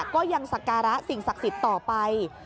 ก็ยังสการะสิ่งศักดิ์สิทธิ์ต่อไป